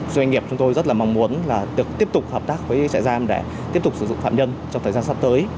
doanh nghiệp chúng tôi rất là mong muốn là được tiếp tục hợp tác với trại giam để tiếp tục sử dụng phạm nhân trong thời gian sắp tới